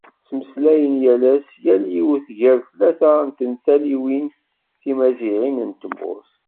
Ttmeslayen yal ass yiwet gar tlata n tantaliwin timaziɣin n tmurt.